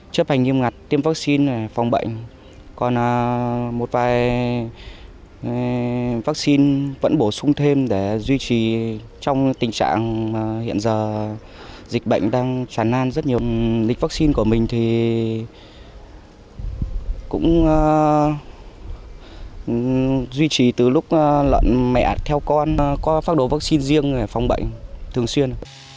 trong tình trạng hiện giờ dịch bệnh đang tràn nan rất nhiều lịch vaccine của mình thì cũng duy trì từ lúc lợn mẹ theo con có phát đồ vaccine riêng để phòng bệnh thường xuyên